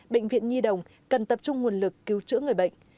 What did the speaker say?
bệnh viện nhi đồng cần tập trung nguồn lực cứu trữ người bệnh